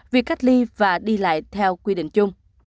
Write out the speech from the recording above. việc cách ly và đi lại theo quy định chung